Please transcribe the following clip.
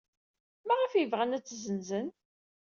Maɣef ay bɣan ad tt-ssenzen?